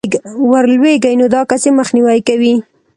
ورلوېږي، نو دا كس ئې مخنيوى كوي